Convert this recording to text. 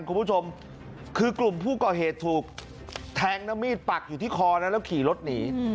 คุณผู้ชมคือกลุ่มผู้ก่อเหตุถูกแทงแล้วมีดปักอยู่ที่คอนะแล้วขี่รถหนี